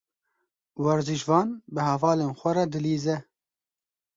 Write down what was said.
Werzîşvan bi hevalên xwe re dilîze.